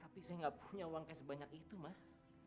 tapi saya nggak punya uang kayak sebanyak itu mas